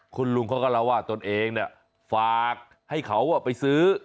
คุณลุงเขาก็เล่าว่าตนเองฝากให้เขาไปซื้อ